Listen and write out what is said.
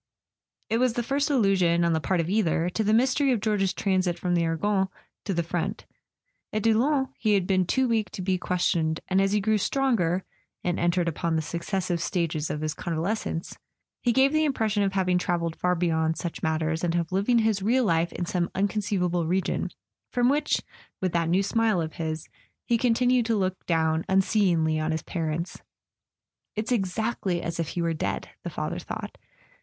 It was the first allusion, on the part of either, to the mystery of George's transit from the Argonne to the front. At Doullens he had been too weak to be ques¬ tioned, and as he grew stronger, and entered upon the successive stages of his convalescence, he gave the [ 309 ] A SON AT THE FRONT impression of having travelled far beyond such mat¬ ters, and of living his real life in some inconceivable region from which, with that new smile of his, he con¬ tinued to look down unseeingly on his parents. "It's exactly as if he were dead," the father thought.